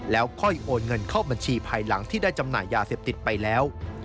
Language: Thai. แล้วค่อยโอนเงินเข้าบัญชีภายหลังที่ได้จำหน่ายยาเสพติดไปแล้ว